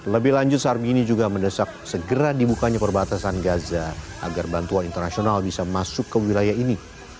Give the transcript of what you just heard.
lebih lanjut sarbini juga mendesak segera dibukanya perbatasan gaza agar bantuan internasional bisa masuk ke wilayah ini